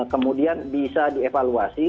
kemudian bisa dievaluasi